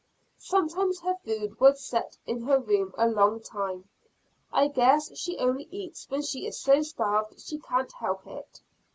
Sometimes her food would set in her room a long time. I guess she only eats when she is so starved she can't help it.